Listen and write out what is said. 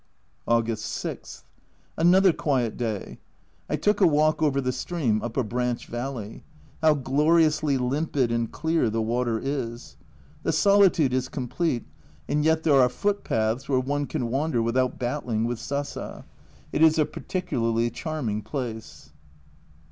August 6. Another quiet day. I took a walk over the stream up a branch valley. How gloriously limpid and clear the water is. The solitude is com plete, and yet there are footpaths where one can wander without battling with sasa. It is a particularly charming place.